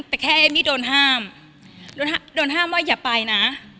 แต่แค่เอมมี่โดนห้ามโดนห้ามว่าอย่าไปนะ